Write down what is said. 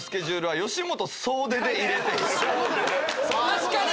確かに！